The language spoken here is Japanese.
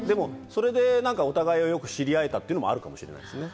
お互いをよく知り合えたっていうこともあるかもしれないですね。